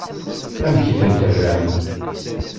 Amek i ten-terram?